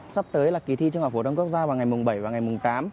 sắp tới là kỳ thi trung học hồ đông quốc gia vào ngày mùng bảy và ngày mùng tám